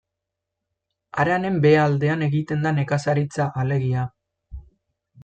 Haranen behealdean egiten da nekazaritza, alegia.